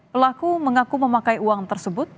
pelaku mengaku memakai uang tersebut